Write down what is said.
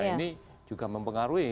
ini juga mempengaruhi